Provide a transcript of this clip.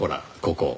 ここ。